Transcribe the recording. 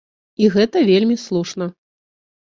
І гэта вельмі слушна.